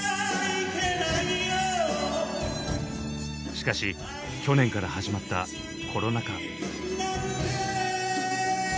しかし去年から始まったコロナ禍。